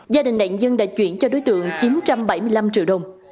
gia đình nạn nhân đã chuyển cho đối tượng chín trăm bảy mươi năm triệu đồng